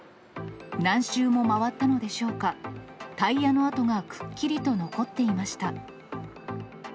何周も回ったのでしょうか、タイヤの跡がくっきりと残っていました。